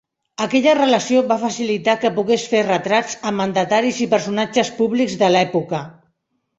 Aquella relació va facilitar que pogués fer retrats a mandataris i personatges públics de l'època.